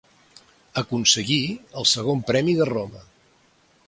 Aconseguí el segon premi de Roma.